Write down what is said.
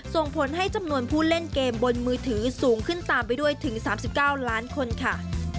ส่งผลให้จำนวนผู้เล่นเกมบนมือถือสูงขึ้นตามไปด้วยถึง๓๙ล้านคนค่ะ